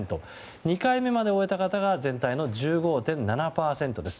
２回目まで終えた方が全体の１５．７％です。